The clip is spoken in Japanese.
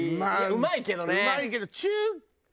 うまいけど。